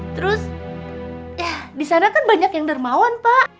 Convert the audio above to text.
terus ya disana kan banyak yang dermawan pak